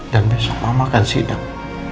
dan besok mama akan sidang